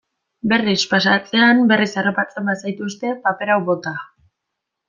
Berriz pasatzean berriz harrapatzen bazaituzte, paper hau bota.